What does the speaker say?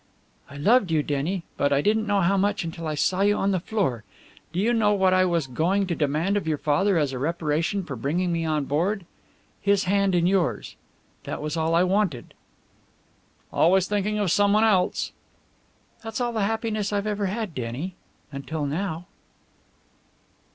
"I loved you, Denny, but I didn't know how much until I saw you on the floor. Do you know what I was going to demand of your father as a reparation for bringing me on board? His hand in yours. That was all I wanted." "Always thinking of someone else!" "That's all the happiness I've ever had, Denny until now!"